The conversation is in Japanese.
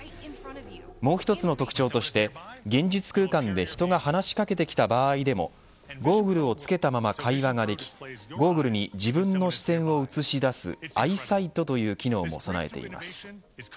もう一つの特徴として現実空間で人が話し掛けてきた場合でもゴーグルをつけたまま会話ができゴーグルに自分の視線を映し出すアイサイトという機能も備えています。